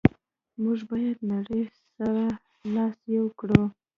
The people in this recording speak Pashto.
موږ باید نړی سره لاس یو کړو.